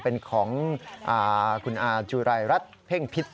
เป็นของคุณอาจุรายรัฐเพ่งพิษ